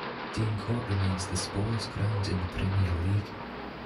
Dean Court remains the smallest ground in the Premier League.